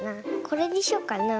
これにしよっかな。